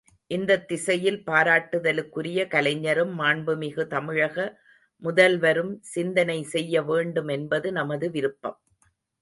இந்தத் திசையில் பாராட்டுதலுக்குரிய கலைஞரும் மாண்புமிகு தமிழக முதல்வரும் சிந்தனை செய்ய வேண்டும் என்பது நமது விருப்பம்.